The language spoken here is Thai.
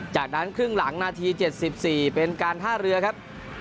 จากนั้นครึ่งหลังนาที๗๔เป็นการท่าเรือครับ